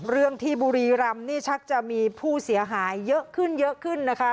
เรื่องที่บุรีรำนี่ชักจะมีผู้เสียหายเยอะขึ้นเยอะขึ้นนะคะ